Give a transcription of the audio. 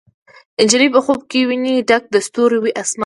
نجلۍ په خوب کې ویني ډک د ستورو، وي اسمان